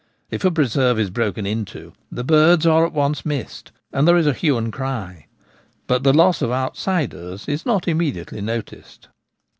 If a preserve is broken into the birds are at once Snaring Hares. 1 49 missed, and there is a hue and cry ; but the loss of outsiders is not immediately noticed.